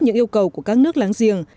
những yêu cầu của các nước láng giềng